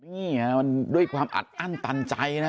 นี่มันด้วยความอัดอั้นตันใจนะ